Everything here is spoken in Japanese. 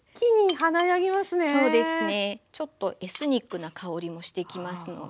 そうですねちょっとエスニックな香りもしてきますので。